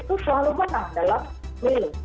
itu selalu menang dalam pemilu